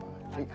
jangan pak jarko